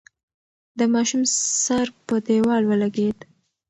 د ماشوم سر په دېوال ولگېد.